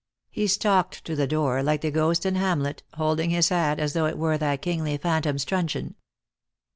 He stalked to the door, like the Ghost in Hamlet, holding his hat as though it were that kingly phantom's truncheon.